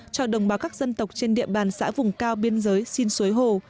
cho đồng bào các dân tộc trên địa bàn xã vùng cao biên giới xin suối hồ